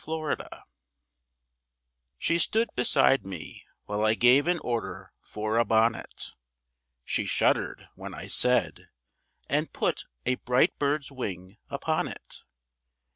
ILLOGICAL. She stood beside me while I gave an order for a bonnet. She shuddered when I said, "And put a bright bird's wing upon it."